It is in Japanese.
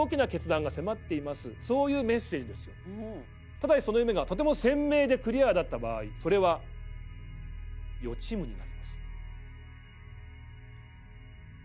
「ただしその夢がとても鮮明でクリアだった場合それは予知夢になります」。